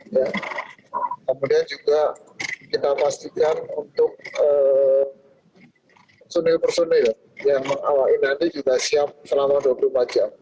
kemudian juga kita pastikan untuk personil personil yang mengawalin nanti juga siap selama dua puluh empat jam